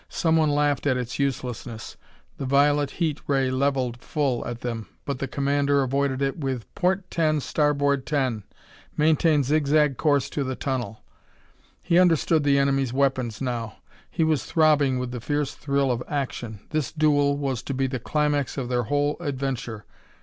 Someone laughed at its uselessness. The violet heat ray leveled full at them, but the commander avoided it with "Port ten, starboard ten! Maintain zigzag course to the tunnel." He understood the enemy's weapons now; he was throbbing with the fierce thrill of action. This duel was to be the climax of their whole adventure.